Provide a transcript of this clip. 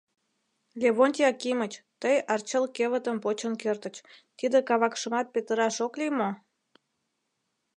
Левонтий Акимыч, тый арчел кевытым почын кертыч, тиде кавакшымат петыраш ок лий мо?